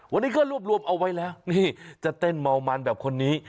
วันนี้ก็รวบรวมเอาไว้แล้วนี่จะเต้นเมามันแบบคนนี้